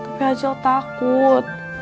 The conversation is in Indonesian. tapi acil takut